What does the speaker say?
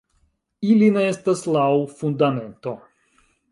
Ili ne estas laŭ Fundamento.